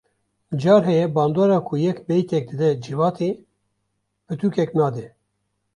Car heye bandora ku yek beytek dide civatê pitûkek nade